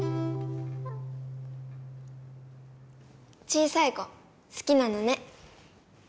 小さい子すきなのね。